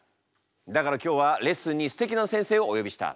だから今日はレッスンにすてきな先生をお呼びした。